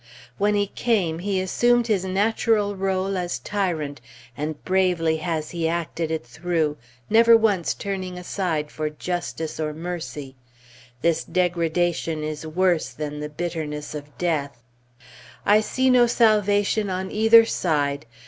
When he came, he assumed his natural rôle as tyrant, and bravely has he acted it through, never once turning aside for Justice or Mercy.... This degradation is worse than the bitterness of death! I see no salvation on either side.